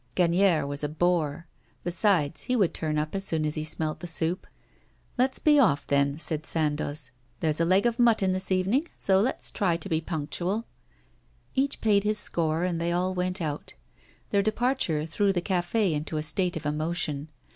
Gagnière was a bore. Besides, he would turn up as soon as he smelt the soup. 'Let's be off, then,' said Sandoz. 'There's a leg of mutton this evening, so let's try to be punctual.' Each paid his score, and they all went out. Their departure threw the café into a state of emotion.